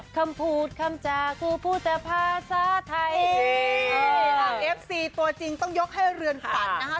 คำพูดคำจากูพูดแต่ภาษาไทยเอ้ยห้ามเอฟซีตัวจริงต้องยกให้เลือนฝันนะฮะ